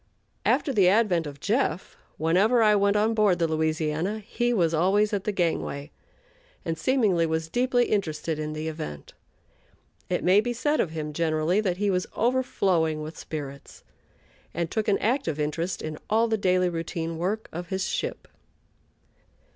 After the advent of "Jeff," whenever I went on board the Louisiana, he was always at the gangway, and seemingly was deeply interested in the event. It may be said of him, generally, that he was overflowing with spirits, and took an active interest in all the daily routine work of his ship.